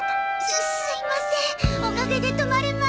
すすいませんおかげで止まれました。